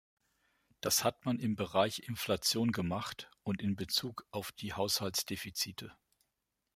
Das hat man im Bereich Inflation gemacht, und in bezug auf die Haushaltsdefizite.